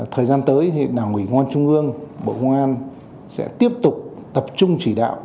thời gian tới đảng ủy ngoan trung ương bộ ngoan sẽ tiếp tục tập trung chỉ đạo